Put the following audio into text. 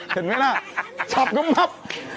เห็นไหมมั้ยชับและมัพ